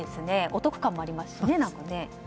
お得感もありますし。